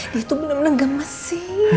dia itu benar benar gemes sih